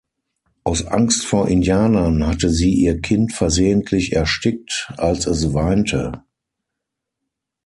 Aus Angst vor Indianern hatte sie ihr Kind versehentlich erstickt, als es weinte.